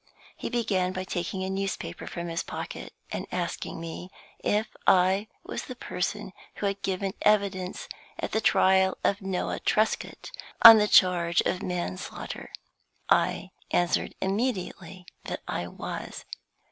He began by taking a newspaper from his pocket, and asking me if I was the person who had given evidence at the trial of Noah Truscott on a charge of manslaughter. I answered immediately that I was.